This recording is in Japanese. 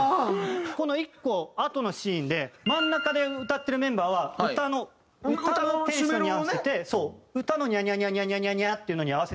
この１個あとのシーンで真ん中で歌ってるメンバーは歌のテンションに合わせて歌の「ニャニャニャニャニャニャニャ」っていうのに合わせて踊ってます。